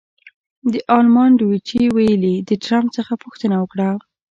د المان ډویچې وېلې د ټرمپ څخه پوښتنه وکړه.